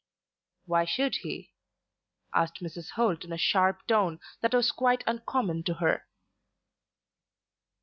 "Why should he?" asked Mrs. Holt in a sharp tone that was quite uncommon to her.